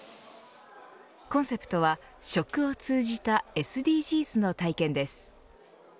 コンセプトは食を通じたＳＤＧｓの体験です。